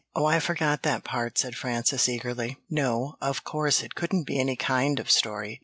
"Oh, I forgot that part," said Frances, eagerly. "No, of course, it couldn't be any kind of story.